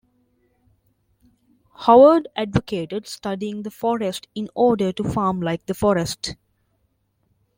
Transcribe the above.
Howard advocated studying the forest in order to farm like the forest.